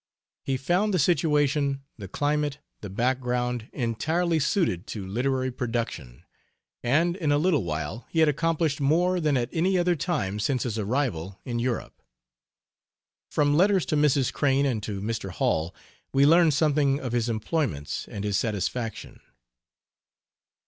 He found the situation, the climate, the background, entirely suited to literary production, and in a little while he had accomplished more than at any other time since his arrival in Europe. From letters to Mrs. Crane and to Mr. Hall we learn something of his employments and his satisfaction.